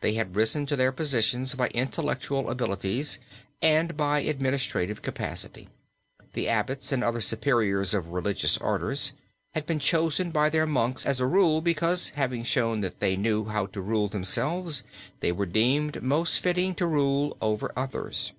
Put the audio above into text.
They had risen to their positions by intellectual abilities and by administrative capacity. The abbots and other superiors of religious orders had been chosen by their monks as a rule because, having shown that they knew how to rule themselves, they were deemed most fitting to rule over others.